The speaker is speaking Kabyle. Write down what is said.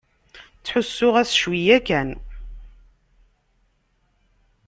Ttḥussuɣ-as cwiya kan.